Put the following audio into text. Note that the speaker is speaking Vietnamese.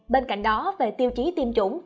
bên cạnh đó về tiêu chí tiêm chủng